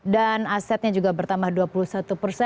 dan asetnya juga bertambah dua puluh satu persen